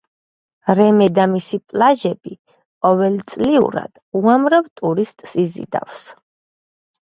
რემე და მისი პლაჟები ყოველწლიურად უამრავ ტურისტს იზიდავს.